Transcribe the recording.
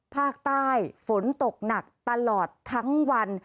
ภาคใต้ฝนตกหนักตลอดทั้งวัน